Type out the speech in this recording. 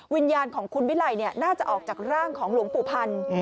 วิญญาณของคุณวิไลน่าจะออกจากร่างของหลวงปู่พันธ์